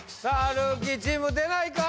ルーキーチーム出ないか？